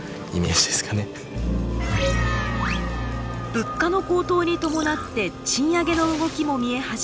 物価の高騰に伴って賃上げの動きも見え始めた日本。